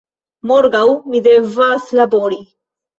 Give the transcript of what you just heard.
Morgaŭ mi devas labori"